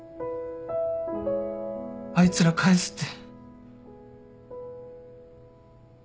あいつら返すって。